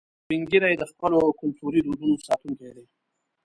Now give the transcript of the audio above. سپین ږیری د خپلو کلتوري دودونو ساتونکي دي